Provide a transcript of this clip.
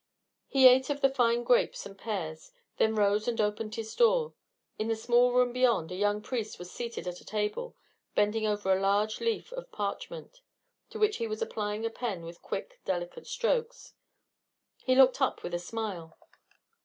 He ate of the fine grapes and pears, then rose and opened his door. In the small room beyond a young priest was seated at a table, bending over a large leaf of parchment, to which he was applying a pen with quick delicate strokes. He looked up with a smile.